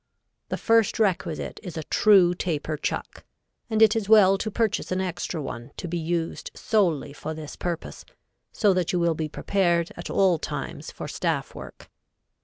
The first requisite is a true taper chuck; and it is well to purchase an extra one to be used solely for this purpose, so that you will be prepared at all times for staff work.